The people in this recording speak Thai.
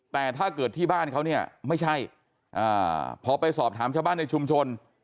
แต่ถ้าเกิดที่บ้านเขาเนี่ยไม่ใช่พอไปสอบถามชาวบ้านในชุมชน